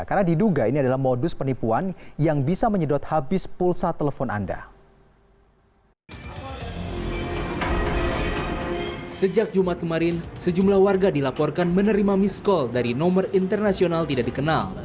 karena diduga ini adalah modus penipuan yang bisa menyedot habis pulsa telpon anda